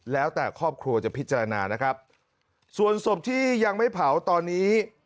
แล้วแต่ครอบครัวจะพิจารณานะครับส่วนศพที่ยังไม่เผาตอนนี้